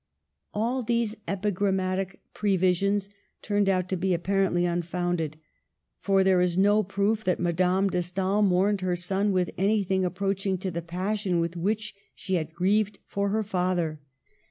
All these epigrammatic previsions turned out to be apparently unfounded ; for there is no proof that Madame de Stael mourned her son with anything approaching to the passion with which she had grieved for her father.